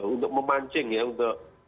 untuk memancing ya untuk